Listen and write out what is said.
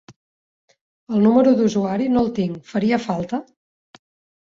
El número d'usuari no el tinc, faria falta?